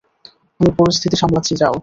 আমি পরিস্থিতি সামলাচ্ছি, যাও।